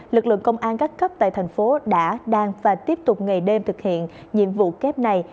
lực lượng công an các cấp tại thành phố đã đang và tiếp tục ngày đêm thực hiện nhiệm vụ kép này